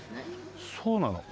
そうなの。